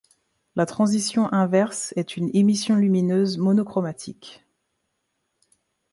La transition inverse est une émission lumineuse monochromatique.